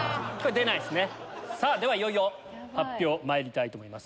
ではいよいよ発表まいりたいと思います。